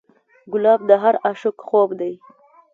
ګلاب د هر عاشق خوب دی.